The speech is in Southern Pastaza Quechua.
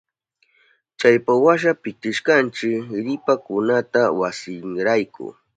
Chaypawasha pitishkanchi ripakunata wasinrayku.